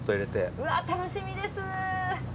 うわぁ楽しみです。